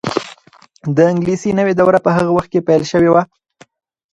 د انګلیسي نوې دوره په هغه وخت کې پیل شوې وه.